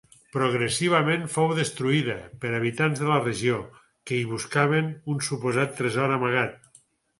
Progressivament fou destruïda pels habitants de la regió, que hi buscaven un suposat tresor amagat.